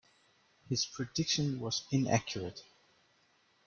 His prediction was inaccurate.